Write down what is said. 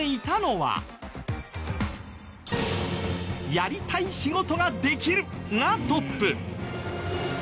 「やりたい仕事ができる」がトップ。